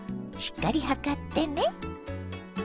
しっかり量ってね。